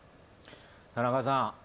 田中さん。